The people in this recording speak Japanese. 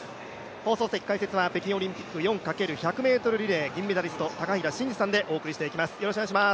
放送席解説は北京オリンピック、４×４００ｍリレー銀メダリスト、高平慎士さんでお送りしていきます。